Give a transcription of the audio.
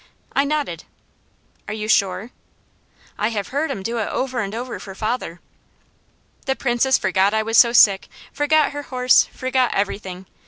I nodded. "Are you sure?" "I have heard him do it over and over for father." The Princess forgot I was so sick, forgot her horse, forgot everything.